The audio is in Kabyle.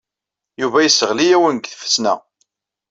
Yuba yesseɣli-awen deg tfesna.